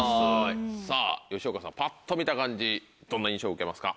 さぁ吉岡さんパッと見た感じどんな印象を受けますか？